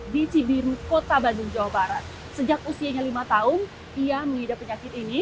di cibiru kota bandung jawa barat sejak usianya lima tahun ia mengidap penyakit ini